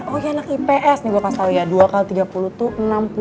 oh iya anak ips nih gue kasih tau ya dua x tiga puluh tuh enam puluh juta